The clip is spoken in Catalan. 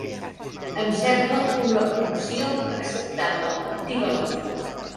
Em sembla una opció acceptable. Activa-la!